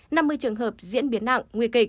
năm mươi trường hợp diễn biến nặng nguy kịch